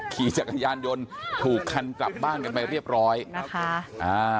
ขี่จักรยานยนต์ถูกคันกลับบ้านกันไปเรียบร้อยนะคะอ่า